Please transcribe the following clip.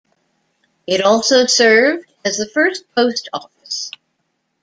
It also served as the first post office.